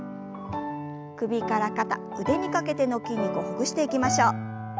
首から肩腕にかけての筋肉をほぐしていきましょう。